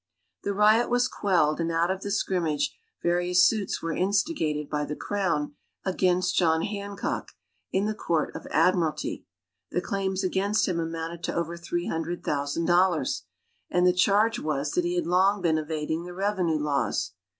The riot was quelled, and out of the scrimmage various suits were instigated by the Crown against John Hancock, in the Court of Admiralty. The claims against him amounted to over three hundred thousand dollars, and the charge was that he had long been evading the revenue laws.